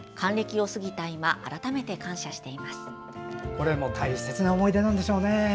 これも大切な思い出なんでしょうね。